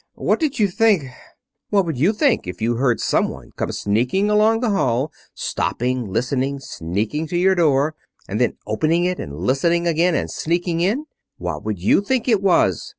"What did you think " "What would you think if you heard some one come sneaking along the hall, stopping, listening, sneaking to your door, and then opening it, and listening again, and sneaking in? What would you think it was?